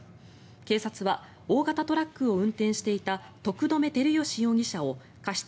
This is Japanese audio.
警察は大型トラックを運転していた徳留輝禎容疑者を過失